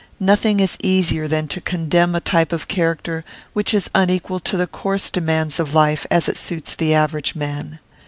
Nothing is easier than to condemn a type of character which is unequal to the coarse demands of life as it suits the average man.